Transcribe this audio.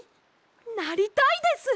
なりたいです！